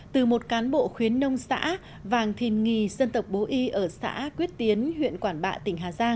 từ một cán bộ khuyến nông xã vàng thìn nghi dân tộc bố y ở xã quyết tiến huyện quản bạ tỉnh hà giang